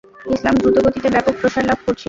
ইসলাম দ্রুতগতিতে ব্যাপক প্রসার লাভ করছিল।